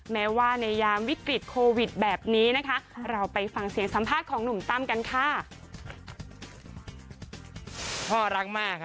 แม้ว่าในยามวิกฤตโควิดแบบนี้นะคะเราไปฟังเสียงสัมภาษณ์ของหนุ่มตั้มกันค่ะ